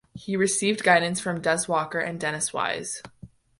He received guidance from Des Walker and Dennis Wise.